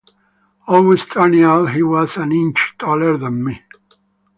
Always turned out he was an inch taller than me.